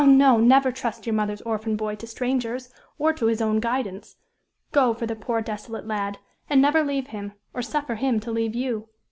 no, never trust your mother's orphan boy to strangers, or to his own guidance. Go for the poor, desolate lad, and never leave him, or suffer him to leave you.